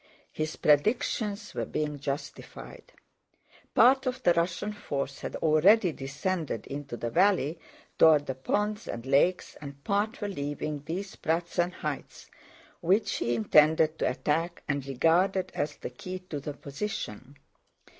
His predictions were being justified. Part of the Russian force had already descended into the valley toward the ponds and lakes and part were leaving these Pratzen Heights which he intended to attack and regarded as the key to the position.